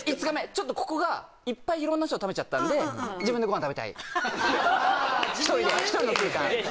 ちょっとここがいっぱい色んな人と食べちゃったんで自分でご飯食べたい１人で１人の空間